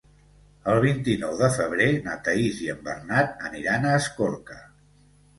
El vint-i-nou de febrer na Thaís i en Bernat aniran a Escorca.